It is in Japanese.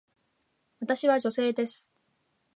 私は女性です。